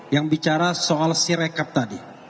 yang bicara soal sirekap tadi